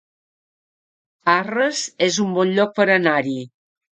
Arres es un bon lloc per anar-hi